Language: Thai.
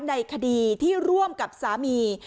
ในคดีที่ร่วมกับสามี